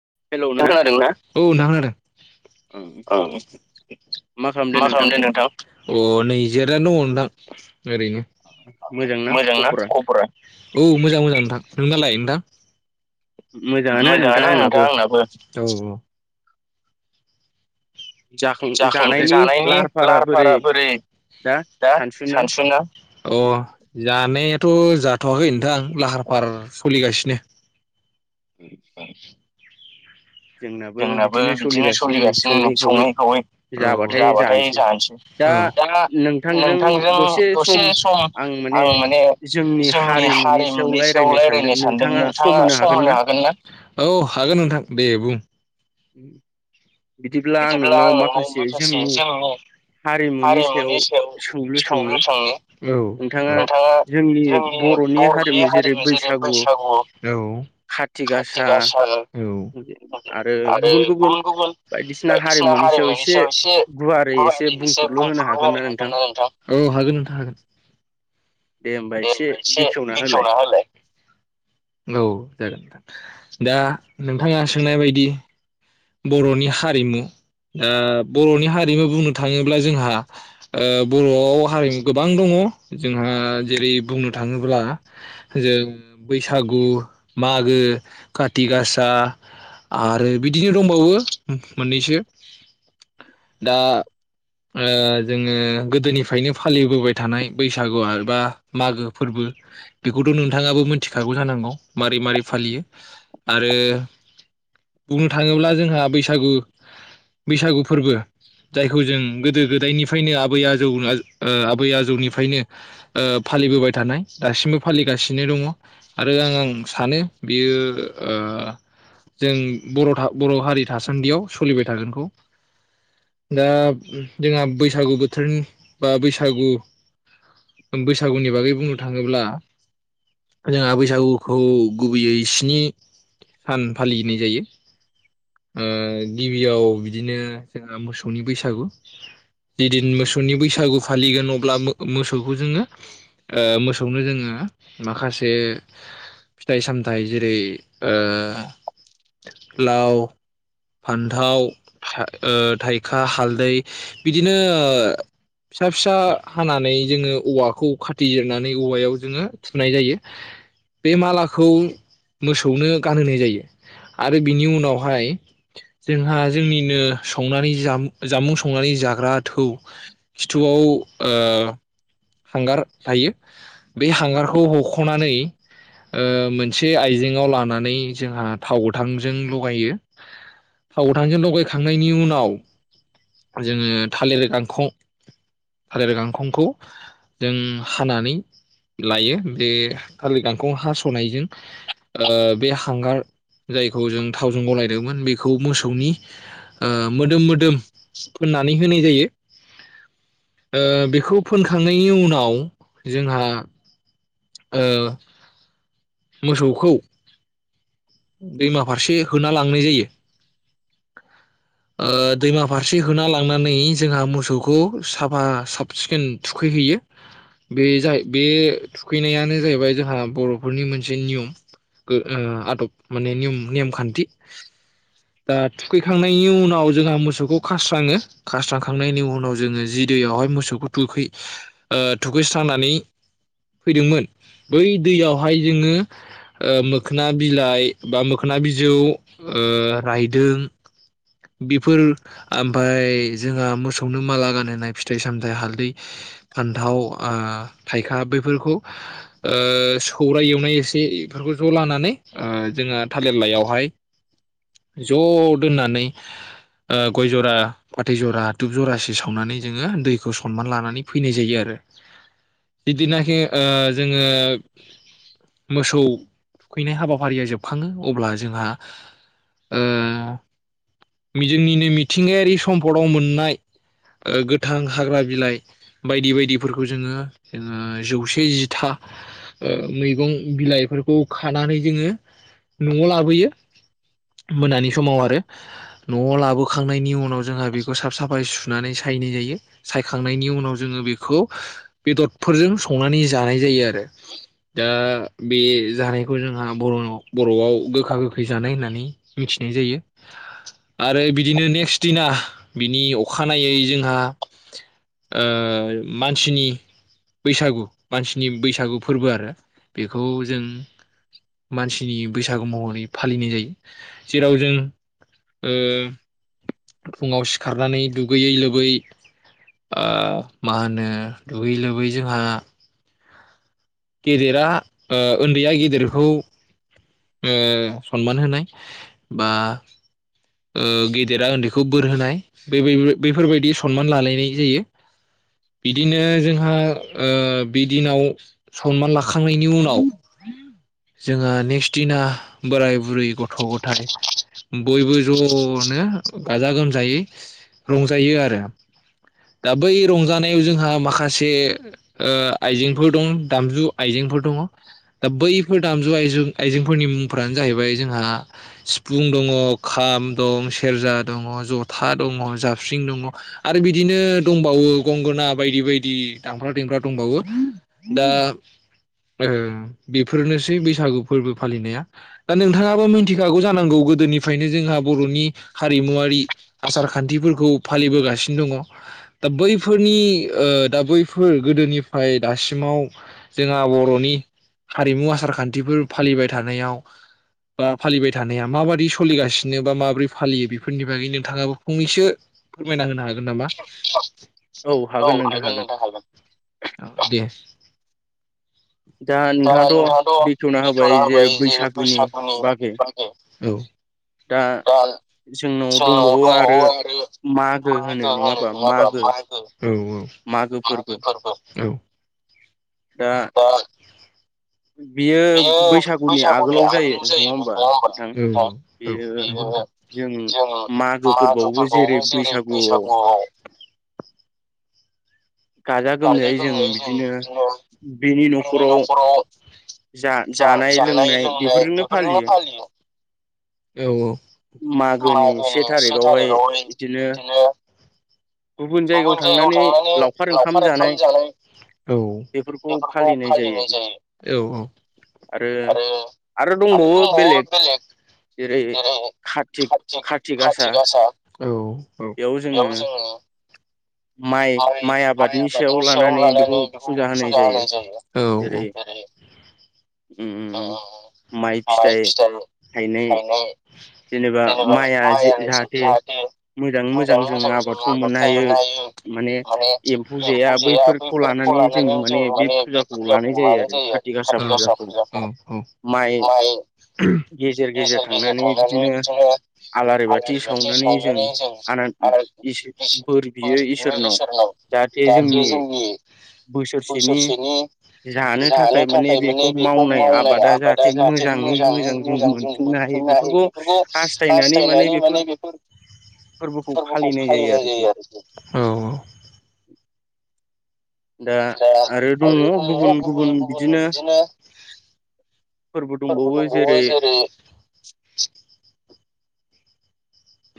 नोंथांङा हेलौ ना खोनादों ना औ नोंथां खोनादों ओं औ मा खालामदों मा खालामदों नोंथां अ नै जिरायना दङ नोंथां ओरैनो मोजां ना खबरा? औ मोजां मोजां नोंथां नोंनालाय नोंथां? मोजाङानो नोंथां आंनाबो औ औ जाखां जानायनि लाहार फाहारा बोरै दा सानसुना अ जानायाथ' जाथ'वाखै नोंथां लाहार फाहार सलिगासिनो [unintelligible] जोंनाबो बिदिनो सोलिगासिनो नै सङै खावै औ जाबाथाय जानोसै औ दा नोंथांजों दसे सम आं माने जोंनि हारिमुनि सायाव रायलायनो सानदों नोंथाङा सम होनो हागोन ना? औ हागोन नोंथां दे बुं उम बिदिब्ला आं नोंनाव माखासे जोंनि हारिमुनि सायाव सोंलु सोंनि औ नोंथाङा जोंनि बर'नि हारिमु जेरै बैसागु औ काति गासा औ आरो गुबुन गुबुन बायदिसिना हारिमुनि सायाव एसे गुवारै एसे बुंफोरलु होनो हागोन ना नोंथां? औ हागोन नोंथां दे होमबा एसे बेखेवना होलाय औ जागोन नोंथां दा नोंथाङा सोंनाय बायदि बर'नि हारिमु ओ बर'नि हारिमु बुंनो थाङोब्ला जोंहा ओ बर'आव हारिमु गोबां दङ जोंहा जेरै बुंनो थाङोब्ला जों बैसागु मागो काथि गासा आरो बिद बिदिनो दंबावो मोननैसो दा ओ जोङो गोदोनिफ्रायनो फालिबोबाय थानाय बैसागुआबा मागो फोरबो बेखौथ' नोंथाङाबो मोनथिखागौ जानांगौ मारै मारै फालियो आरो बुंनो थाङोब्ला जोंहा बैसागु बैसागु फोरबो जायखौ जों गोदो गोदायनिफ्रायनो आबै आजौ ओ आबै आजौनिफ्रायनो ओ फालिबोबाय थानाय दासिमबो फालिगासिनो दङ आरो आं आं सानो बियो ओ जों बर' था बर' हारि थासान्दियाव सलिबाय थागोनखौ दा जोंहा बैसागु बोथोरनि बा बैसागु बैसागुनि बागै बुंनो थाङोब्ला जोंहा बैसागुखौ गुबैयै स्नि सान फालिनाय जायो ओ गिबियाव बिदिनो जोंहा मोसौनि बैसागु जिदिन मोसौनि बैसागु फालिगोन अब्ला मोसौखौ जोङो ओ मोसौनो जोङो माखासे फिथाइ सामथाइ जेरै ओ लाव फान्थाव थाय ओ थाइखा हालदै बिदिनो फिसा फिसा हानानै जोङो औवाखौ खाथिजिरनानै औवायाव जोङो थुनाय जायो बे माला खौ मोसौनो गानहोनाय जायो आरो बिनि उनावहाय जोंहा जोंनिनो संनानै जा जामुं संनानै जाग्रा थौ खिथुआव ओ गार थायो‌ बै हांगार खौ हख'नानै ओ मोनसे आयजेंआव लानानै जोंहा थाव गोथांजों लगायो थाव गोथांजों लगायखांनायनि उनाव जोङो थालिर गांखं थालिर गांखंखौ जों हानानै लायो बे थारलि गांखं हास'नायजों ओ बे हांगार जायखौ जों थावजों गलायदोंमोन बेखौ मोसौनि ओ मोदोम मोदोम फोननानै होनाय जायो ओ बेखौ फोनखांनायनि उनाव जोंहा ओ मोसौखौ दैमा फारसे होना लांनाय जायो ओ दैमा फारसे होना लांनानै जोंहा मोसौखौ साफा साब सिखोन थुखैहैयो बे बे थुखैनायानो जाहैबाय जोंहा बर' फोरनि मोनसे नियम ओ आदब माने निम नेमखान्थि दा थुखै थांनायनि उन जोंना मोसौखौ खास्राङो खांनायनि उनाव जोङो जि दैयावहाय मोसौखौ थुखै ओ थुखैस्रांनानै फैदोंमोन बै दैयावहाय जोङो मोखोना बिलाइ बा मोखोना बिजौ रायदों बेफोर ओमफाय जोंहा मोसौनो माला गानहनाय फिथाइ सामथाइ हालदै फान्थाव थाइखा बेफोरखौ सौर एवनाय एसे बेफोरखौ ज' लानानै ओ जोंहा थालिर लायावहाय ज दोननानै ओ गय जरा फाथै जरा दुब जरासे सावनानै जोङो दैखौ सनमान लानानै फैनाय जायो आरो बिदिनाखि जोङो मोसौ थुखैनाय हाबाफारिया जोब बखाङो अब्ला जोंहा ओ जोंनिनो मिथिंगायारि सम्पदआव मोननाय गोथां हाग्रा बिलाइ बायदि बायदिफोरखौ जोङो ओ जौसे जिथा मैगं बिलाइफोरखौ खानानै जोङो नआव लाबोयो मोनानि समाव आरो नआव लाबोखांनायनि उनाव जोंहा बेखौ साफ साफ सुनानै सायनाय जायो सायखांनायनि उनाव जोङो बेखौ बेदरफोरजों संनानै जानाय जायो आरो दा बे जानायखौ जोंहा बर'नाव बर'आव गोखा गोखै जानाय होननानै मिथिनाय जायो आरो बिदिनो नेक्स दिना बिनि अखानायै जोंहा मानसिनि बैसागु मानसिनि बैसागु फोरबो आरो बेखौ जों मानसि नि बैसागु महरै फालिनाय जायो जेराव जों ओ फुङाव सिखारनानै दुगैयै लोबै ओ मा होनो दुगै लोबै जोंहा गेदेरा ओ उन्दैया गेदेरखौ ओ सनमान होनाय बा ओ गेदेरा उन्दैखौ बोर होनाय बे बेफोरबायदि सनमान लालायनाय जायो बिदिनो जोंहा ओ बि दिनाव सनमान लाखांनायनि उनाव जोङो नेक्स दिना बोराय बुरै गथ गथाय बयबो जनो गाजा गोमजायै रंजायो आरो दा बै रंजानायाव जोंहा माखासे ओ आइजेंफोर दं दामजु आइजेंफोर दङ दा बैफोर दामजु आइजें आइजेंफोरनि मुंफ्रानो जाहैबाय जोंहा सिफुं दङ खाम दं सेरजा दङ जथा दङ जाबस्रिं दङ आरो बिदिनो दंबावो गंगोना बायदि बायदि दामग्रा देग्रा दंबावो दा ओ बेफोरनोसै बैसागु फोरबो फालिनाया दा नोंथाङाबो मिथि खागौ जानांगौ गोदोनिफ्रायनो जोंहा बर'नि हारिमुवारि आसार खान्थिफोरखौ फालिबोगासिनो दङ दा बैफोरनि ओ दा बैफोर गोदोनिफ्राय दासिम सिमाव जोंहा बर'नि हारिमु आसार खान्थिफोर फालिबाय थानायाव बा फालिबाय थानाया माबायदि सोलिगासिनो बा माबोरै फालियो बेफोरनि बागै नोंथाङाबो फंनैसो फोरमायना होनो हागोन नामा औ औ हागोन नोंथां हागोन। औ दे। [inaudible] दा नोंथाङाथ बेखेवना होबाय जे बैसागुनि बागै दा जोंनाव दंबावो आरो मागो होनो नङाबा मागो औ औ मागो फोरबो दा बा बेयो बैसागुनि आगोलाव जायो नङा होमबा ओ बेयो जों मागो फोरबोआवबो जेरै बैसागुआव। गाजा गोमजायै जों बिदिनो बेनि नखराव जा जानाय लोंनाय बेफोरजोंनो फालियो। औ मागोनि से थारिखावहाय बिदिनो गुबुन जायगायाव थांनानै लावखार ओंखाम जानाय औ बेफोरखौ फालिनाय जायो। औ औ आरो आरो दंबावो बेलेग जेरै कार्तिक खातिक कार्तिक आसा खातिक गासा औ औ बेयाव जोङो माइ माइ आबादनि सायाव लानानै बेखौ फुजा होनाय जायो। औ जेरै उम माइ फिथाइ थायनाय जेनेबा माइआ जाहाथे मोजाङै मोजां जों आबादखौ मोननो हायो। माने एम्फौ जाया बैफोरखौ लानानै जों माने बे फुजाखौ लानाय जायो आरो खाथि गासा फुजाखौ माइ गेजेर गेजेर थांनानै बिदिनो आलारि बाथि सावनानै जों आनान बोर बियो आलारिफोर बेनो इसोरनाव जाहाथे जोंनि बोसोरसेनि जानो थाखाय माने बे मावनाय आबादा जाहाथे मोजाङै मोजां जों मोनफुंनो हायो बेफोरखौ हास्थायनानै माने बेफोर फोरबोखौ फालिनाय जायो आरोखि। दा आरो दङ गुबुन गुबुन बिदिनो फोरबो दंबावो। जेरै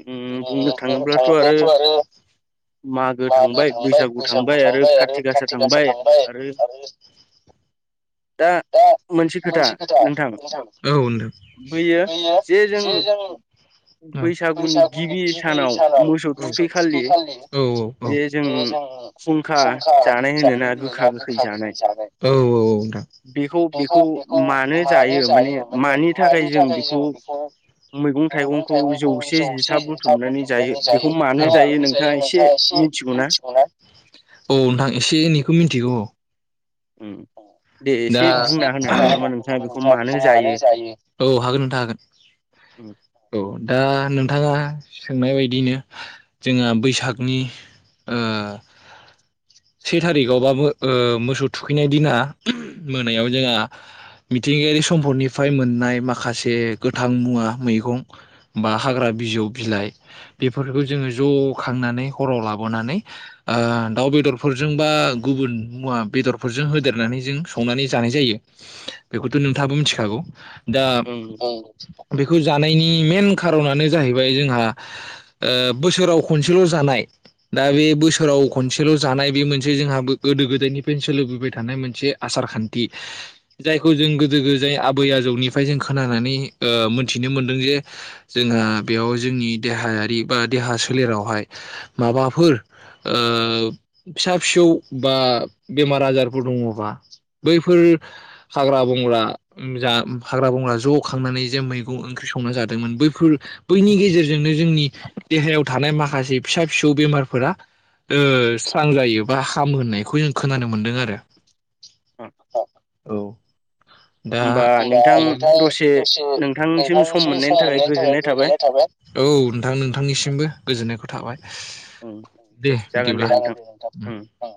उम बुंनो थाङोब्लाथ' आरो थाङोब्लाथआरो मागो थांबाय बैसागु थांबाय आरो खाथि गासा थांबाय आरो दा मोनसे खोथा नोंथां औ नोंथां बैयो जे जों बैसागुनि गिबि सानाव मोसौ थुखैखालि औ औ जे जों खुंखा जानाय होनो ना गोखा गोखै जागाय औ औ नोंथां बेखौ बेखौ मानो जायो माने मानि थाखाय जों बेखौ मैगं थाइगंखौ जौसेथा बथुमनानै जायो बेखौ मानो जायो नोंथाङा एसे मिथिगौ ना औ नोंथां एसे एनैखौ मिथिगौ औ उम दे दा एसे बुंना होनो हागोन नामा नोंथाङा बेखौ मानो जायो औ हागोन नथां हागोन उम औ दा नोंथाङा सोंनाय बायदिनो जोंहा बैसागनि ओ से थारिखआवबाबो ओ मोसौ थुखैनाय दिना मोनायाव जोंहा मिथिंगायारि सम्फदनिफ्राय मोननाय माखासे गोथां मुवा मैगं बा हाग्रा बिजौ बिलाइ बेफोरखौ जोङो ज खांनानै हराव लाबोनानै दाउ बेदरफोरजों बा गुबुन मुवा बेदरफोरजों होदेरनानै जों संनानै जानाय जायो बेखौथ नोंथाङोबो मिथिखागौ दा उम उम बेखौ जा नायनि मेन खारननो जाहैबाय जोंहा ओ बोसोराव खनसेल जानाय दा बे बोसोराव खनसेल जानाय बे मोनसे जोंहा गोदो गोदायनिफ्रायनो सोलिबोबाय थानाय मोनसे आसार खान्थि जायखौ जों गोदो गोदाय आबै आजौनिफ्राय जों खोनानानै ओ मोनथिनो मोनदों जे जोंहा बेयाव जोंनि देहायारि बा देहा सोलेरावहाय माबाफोर ओ फिसा फिसौ बा बेमार आजारफोर दङबा बैफोर हाग्रा बंग्रा जा हाग्रा बंग्रा ज खांनानै जे मैगं ओंख्रि संना जादोंमोन बैफोर बैनि गेजेरजोंनो जोंनि देहायाव थानाय माखासे फिसा फिसौ बेमारफोरा ओ स्रां जायो बा हामोहोननायखौ जों अ औ औ दा होमबा नोंथां दसे नोंथांनिसिम सम मोननायनि थाखाय गोजोननाय थाबाय औ नोंथां नोंथांनिसिमबो गोजोननायखौ थाबाय उम दे जागोन दे बिदिब्ला उम नोंथां उम नोंथां